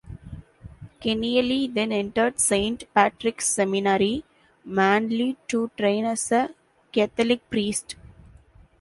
Keneally then entered Saint Patrick's Seminary, Manly to train as a Catholic priest.